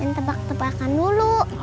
dan tebak tebakan dulu